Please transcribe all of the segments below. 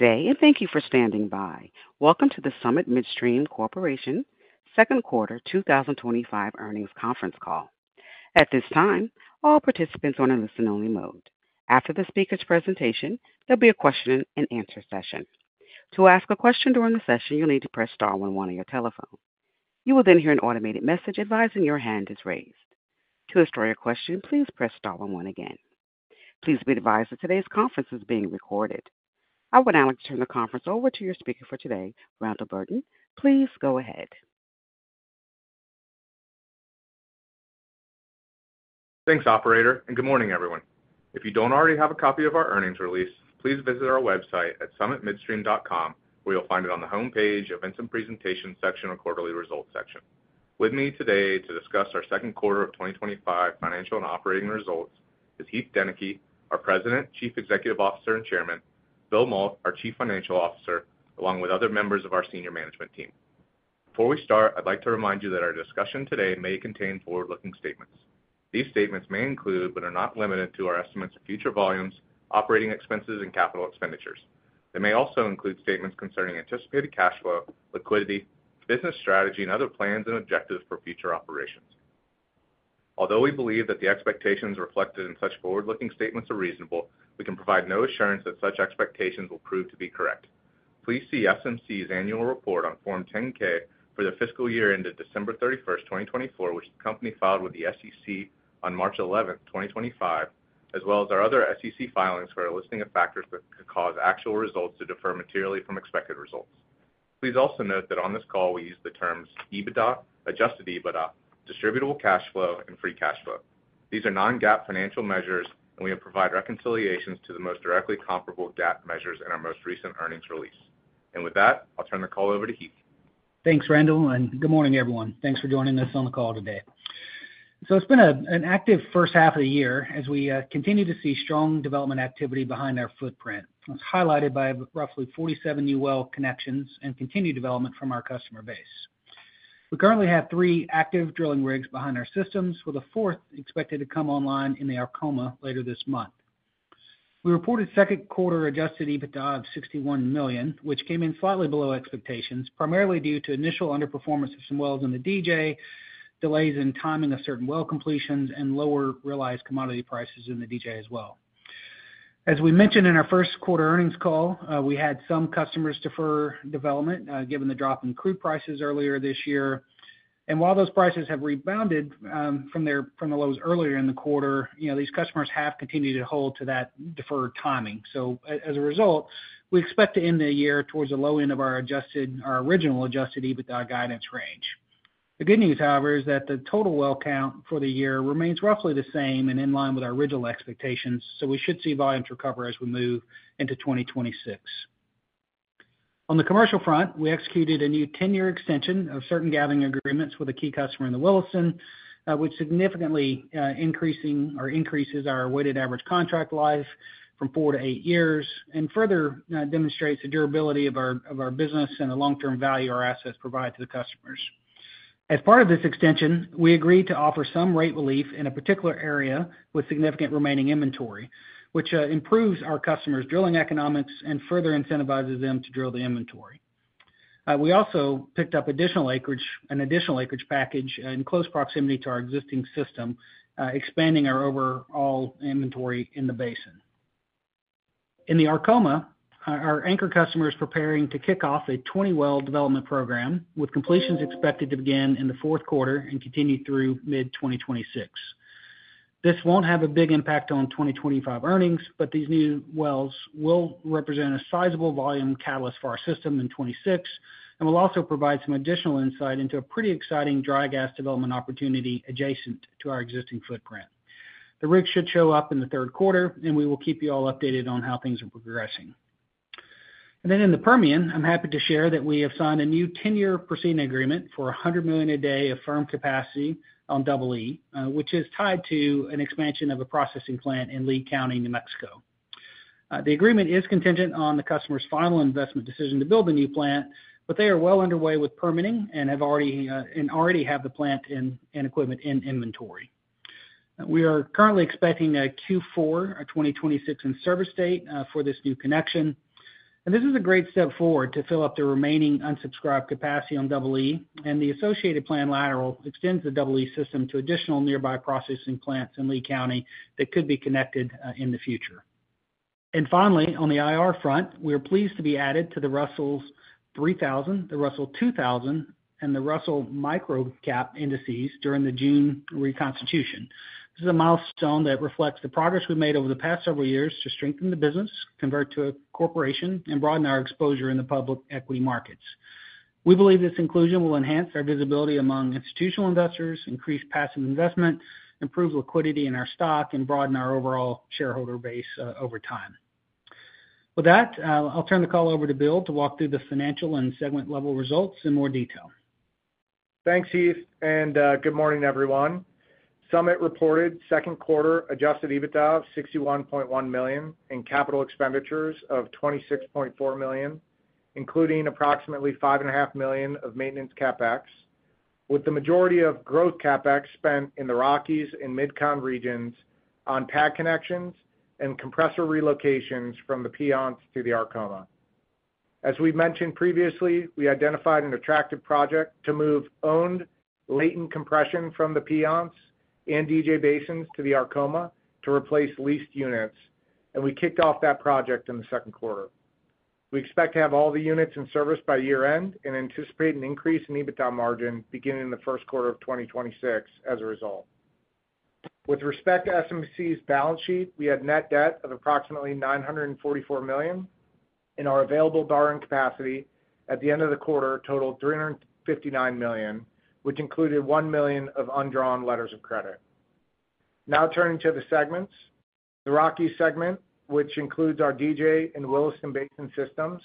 Today, and thank you for standing by. Welcome to the Summit Midstream Corporation Second Quarter 2025 Earnings Conference Call. At this time, all participants are in a listen-only mode. After the speaker's presentation, there'll be a question and answer session. To ask a question during the session, you'll need to press star one one on your telephone. You will then hear an automated message advising your hand is raised. To withdraw your question, please press star one one again. Please be advised that today's conference is being recorded. I would now like to turn the conference over to your speaker for today, Randall Burton. Please go ahead. Thanks, operator, and good morning, everyone. If you don't already have a copy of our earnings release, please visit our website at summitmidstream.com, where you'll find it on the homepage, events and presentations section, or quarterly results section. With me today to discuss our Second Quarter of 2025 Financial and Operating Results is J. Heath Deneke, our President, Chief Executive Officer, and Chairman; Bill Mault, our Chief Financial Officer, along with other members of our Senior Management Team. Before we start, I'd like to remind you that our discussion today may contain forward-looking statements. These statements may include, but are not limited to, our estimates of future volumes, operating expenses, and capital expenditures. They may also include statements concerning anticipated cash flow, liquidity, business strategy, and other plans and objectives for future operations. Although we believe that the expectations reflected in such forward-looking statements are reasonable, we can provide no assurance that such expectations will prove to be correct. Please see Summit Midstream Partners' annual report on Form 10-K for the fiscal year ended December 31st, 2024, which the company filed with the SEC on March 11th, 2025, as well as our other SEC filings for a listing of factors that could cause actual results to differ materially from expected results. Please also note that on this call, we use the terms EBITDA, adjusted EBITDA, distributable cash flow, and free cash flow. These are non-GAAP financial measures, and we have provided reconciliations to the most directly comparable GAAP measures in our most recent earnings release. With that, I'll turn the call over to Heath. Thanks, Randall, and good morning, everyone. Thanks for joining us on the call today. It's been an active first half of the year as we continue to see strong development activity behind our footprint. It's highlighted by roughly 47 new well connections and continued development from our customer base. We currently have three active drilling rigs behind our systems, with a fourth expected to come online in the Arkoma later this month. We reported second quarter adjusted EBITDA of $61 million, which came in slightly below expectations, primarily due to initial underperformance of some wells in the DJ, delays in timing of certain well completions, and lower realized commodity prices in the DJ as well. As we mentioned in our first quarter earnings call, we had some customers defer development given the drop in crude prices earlier this year. While those prices have rebounded from the lows earlier in the quarter, these customers have continued to hold to that deferred timing. As a result, we expect to end the year towards the low end of our original adjusted EBITDA guidance range. The good news, however, is that the total well count for the year remains roughly the same and in line with our original expectations, so we should see volumes recover as we move into 2026. On the commercial front, we executed a new 10-year extension of certain gathering agreements with a key customer in the Williston, which significantly increases our weighted average contract life from four to eight years and further demonstrates the durability of our business and the long-term value our assets provide to the customers. As part of this extension, we agreed to offer some rate relief in a particular area with significant remaining inventory, which improves our customers' drilling economics and further incentivizes them to drill the inventory. We also picked up an additional acreage package in close proximity to our existing system, expanding our overall inventory in the basin. In the Arkoma, our anchor customer is preparing to kick off a 20-well development program, with completions expected to begin in the fourth quarter and continue through mid-2026. This won't have a big impact on 2025 earnings, but these new wells will represent a sizable volume catalyst for our system in 2026, and will also provide some additional insight into a pretty exciting dry gas development opportunity adjacent to our existing footprint. The rig should show up in the third quarter, and we will keep you all updated on how things are progressing. In the Permian, I'm happy to share that we have signed a new 10-year precedent agreement for $100 million a day of firm capacity on Double E, which is tied to an expansion of a processing plant in Lee County, New Mexico. The agreement is contingent on the customer's final investment decision to build a new plant, but they are well underway with permitting and already have the plant and equipment in inventory. We are currently expecting a Q4 2026 in-service date for this new connection. This is a great step forward to fill up the remaining unsubscribed capacity on Double E, and the associated planned lateral extends the Double E system to additional nearby processing plants in Lee County that could be connected in the future. On the IR front, we are pleased to be added to the Russell 3000, the Russell 2000, and the Russell Microcap indices during the June reconstitution. This is a milestone that reflects the progress we've made over the past several years to strengthen the business, convert to a corporation, and broaden our exposure in the public equity markets. We believe this inclusion will enhance our visibility among institutional investors, increase passive investment, improve liquidity in our stock, and broaden our overall shareholder base over time. With that, I'll turn the call over to Bill to walk through the financial and segment-level results in more detail. Thanks, Heath, and good morning, everyone. Summit reported second quarter adjusted EBITDA of $61.1 million and capital expenditures of $26.4 million, including approximately $5.5 million of maintenance CapEx, with the majority of growth CapEx spent in the Rockies and MidCon regions on pad connections and compressor relocations from the Piceance to the Arkoma. As we've mentioned previously, we identified an attractive project to move owned latent compression from the Piceance and DJ basins to the Arkoma to replace leased units, and we kicked off that project in the second quarter. We expect to have all the units in service by year-end and anticipate an increase in EBITDA margin beginning in the first quarter of 2026 as a result. With respect to Summit Midstream's balance sheet, we had net debt of approximately $944 million and our available borrowing capacity at the end of the quarter totaled $359 million, which included $1 million of undrawn letters of credit. Now turning to the segments, the Rockies segment, which includes our DJ and Williston Basin systems,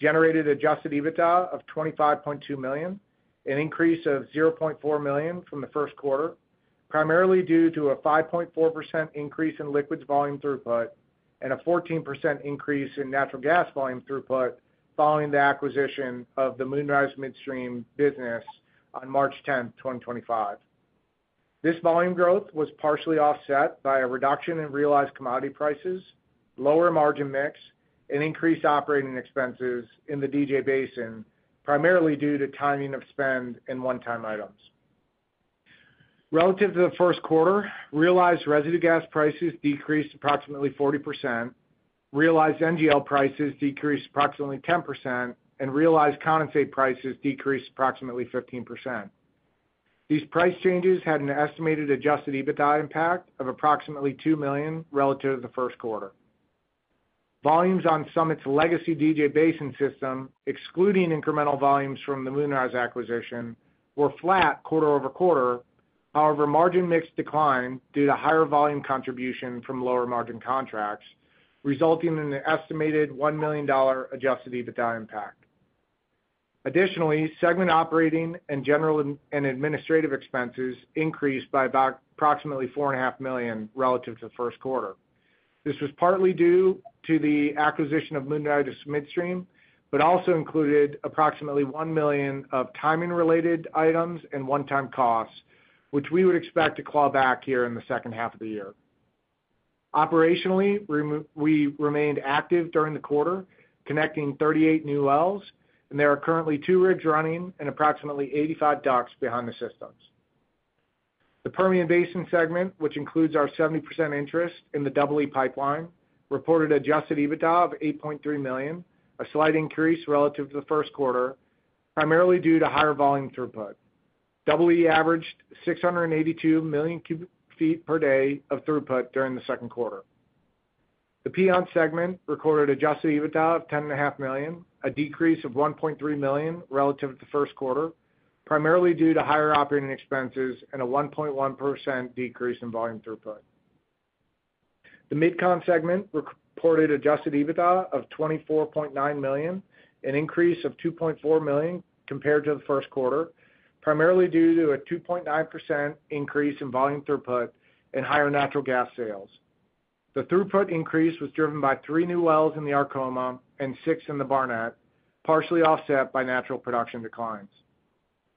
generated adjusted EBITDA of $25.2 million, an increase of $0.4 million from the first quarter, primarily due to a 5.4% increase in liquids volume throughput and a 14% increase in natural gas volume throughput following the acquisition of the Moonrise Midstream business on March 10th, 2025. This volume growth was partially offset by a reduction in realized commodity prices, lower margin mix, and increased operating expenses in the DJ Basin, primarily due to timing of spend and one-time items. Relative to the first quarter, realized residue gas prices decreased approximately 40%, realized NGL prices decreased approximately 10%, and realized condensate prices decreased approximately 15%. These price changes had an estimated adjusted EBITDA impact of approximately $2 million relative to the first quarter. Volumes on Summit's legacy DJ Basin system, excluding incremental volumes from the Moonrise acquisition, were flat quarter-over-quarter; however, margin mix declined due to higher volume contribution from lower margin contracts, resulting in an estimated $1 million adjusted EBITDA impact. Additionally, segment operating and general and administrative expenses increased by approximately $4.5 million relative to the first quarter. This was partly due to the acquisition of Moonrise Midstream, but also included approximately $1 million of timing-related items and one-time costs, which we would expect to claw back here in the second half of the year. Operationally, we remained active during the quarter, connecting 38 new wells, and there are currently two rigs running and approximately 85 docks behind the systems. The Permian Basin segment, which includes our 70% interest in the Double E Pipeline, reported adjusted EBITDA of $8.3 million, a slight increase relative to the first quarter, primarily due to higher volume throughput. Double E averaged 682 million cubic feet per day of throughput during the second quarter. The Piceance segment recorded adjusted EBITDA of $10.5 million, a decrease of $1.3 million relative to the first quarter, primarily due to higher operating expenses and a 1.1% decrease in volume throughput. The MidCon segment reported adjusted EBITDA of $24.9 million, an increase of $2.4 million compared to the first quarter, primarily due to a 2.9% increase in volume throughput and higher natural gas sales. The throughput increase was driven by three new wells in the Arkoma and six in the Barnett, partially offset by natural production declines.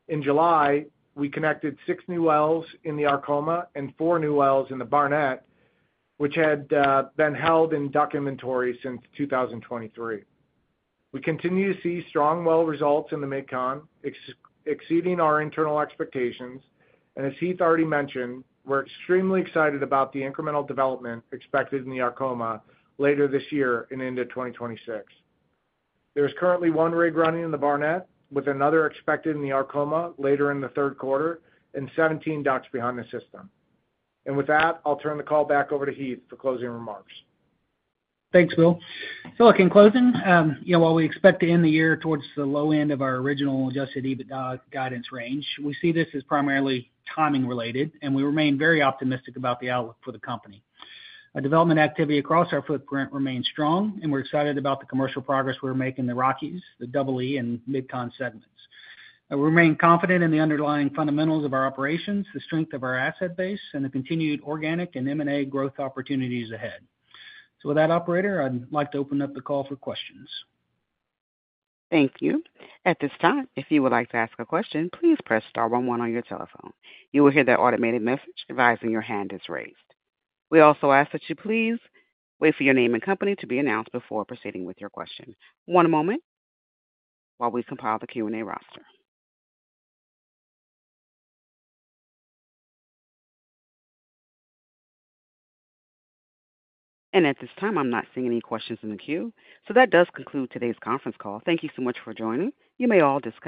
In July, we connected six new wells in the Arkoma and four new wells in the Barnett, which had been held in dock inventory since 2023. We continue to see strong well results in the MidCon, exceeding our internal expectations, and as Heath already mentioned, we're extremely excited about the incremental development expected in the Arkoma later this year and into 2026. There is currently one rig running in the Barnett, with another expected in the Arkoma later in the third quarter, and 17 docks behind the system. With that, I'll turn the call back over to Heath for closing remarks. Thanks, Bill. In closing, you know, while we expect to end the year towards the low end of our original adjusted EBITDA guidance range, we see this as primarily timing related, and we remain very optimistic about the outlook for the company. Development activity across our footprint remains strong, and we're excited about the commercial progress we're making in the Rockies, the Double E and MidCon segments. We remain confident in the underlying fundamentals of our operations, the strength of our asset base, and the continued organic and M&A growth opportunities ahead. With that, operator, I'd like to open up the call for questions. Thank you. At this time, if you would like to ask a question, please press star one one on your telephone. You will hear the automated message advising your hand is raised. We also ask that you please wait for your name and company to be announced before proceeding with your question. One moment while we compile the Q&A roster. At this time, I'm not seeing any questions in the queue. That does conclude today's conference call. Thank you so much for joining. You may all disconnect.